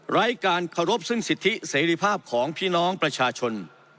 ไร้การเคารพซึ่งสิทธิเสรีภาพของพี่น้องประชาชน